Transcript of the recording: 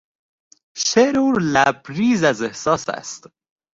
شعر او لبریز از احساس است.